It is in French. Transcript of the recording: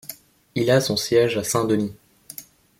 Il a son siège à Saint-Denis.